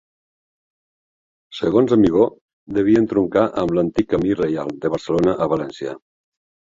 Segons Amigó, devia entroncar amb l'antic camí reial de Barcelona a València.